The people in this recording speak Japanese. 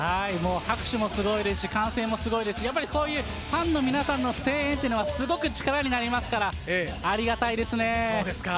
拍手もすごいですし、歓声もすごいですし、ファンの皆さんの声援っていうのは、すごく力になりますから、ありがたいですね。